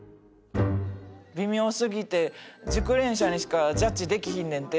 微妙すぎて熟練者にしかジャッジできひんねんて。